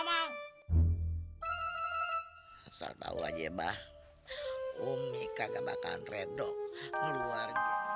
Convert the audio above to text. asal tahu aja bah umi kagak bakalan redo keluar